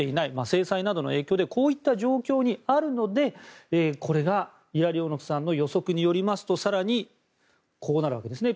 制裁などの影響でこういった状況にあるのでこれがイラリオノフさんの予測によりますと更にこうなるわけです。